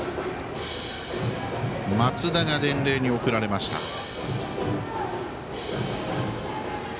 松田が伝令に送られました。